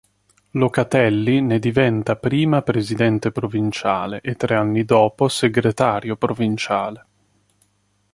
Locatelli ne diventa prima presidente provinciale e, tre anni dopo, segretario provinciale.